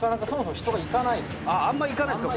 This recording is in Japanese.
あんま行かないっすか